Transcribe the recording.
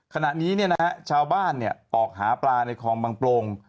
ขณะนี้ชาวบ้านออกหาปลาในคลองบางโปรง